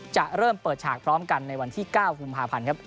จะเริ่มเปิดฉากพร้อมกันในวันที่๙กุมภาพันธ์ครับ